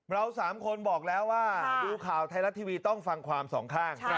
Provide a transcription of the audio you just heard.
เรา๓คนบอกแล้วว่าดูข่าวไทยรัฐทีวีต้องฟังความสองข้าง